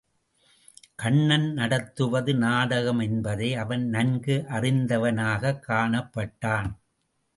கண்ணன் நடத்துவது நாடகம் என்பதை அவன் நன்கு அறிந்தவனாகக் காணப்பட்டான்.